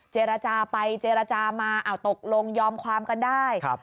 เจรจาไปเจรจามาตกลงยอมความกันได้